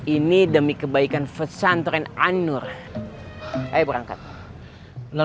ini demi kebaikan pesantren saya